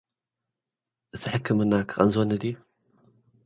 እቲ ሕክምና ከቐንዝወኒ ድዩ?